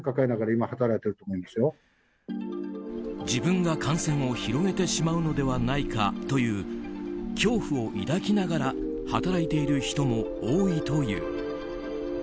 自分が感染を広げてしまうのではないかという恐怖を抱きながら働いている人も多いという。